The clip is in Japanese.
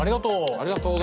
ありがとう。